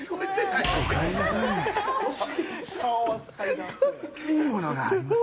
いいものがあります。